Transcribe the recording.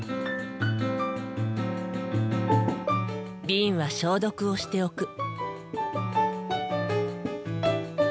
瓶は消毒をしておく。